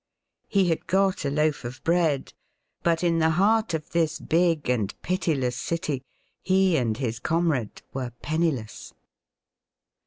He had got a loaf of bread, but in the heart of this big and pitiless city he and his comrade were penmless.